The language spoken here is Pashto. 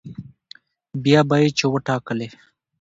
بيا به يې چې وټاکلې